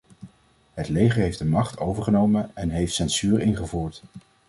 Het leger heeft de macht overgenomen en heeft censuur ingevoerd.